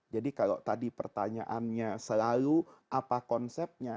jadi kalau tadi pertanyaannya selalu apa konsepnya